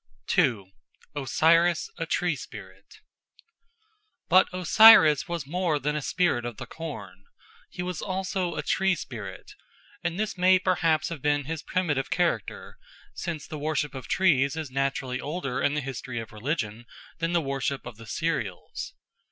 2. Osiris a Tree spirit BUT Osiris was more than a spirit of the corn; he was also a tree spirit, and this may perhaps have been his primitive character, since the worship of trees is naturally older in the history of religion than the worship of the cereals.